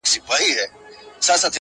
د نورو د ستم په گيلاسونو کي ورک نه يم ـ